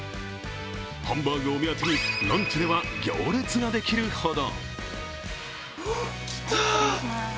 ハンバーグを目当てに、ランチでは行列ができるほど。